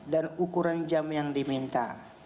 dan ukuran jam yang diminta